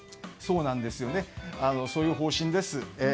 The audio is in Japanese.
そういう方針です。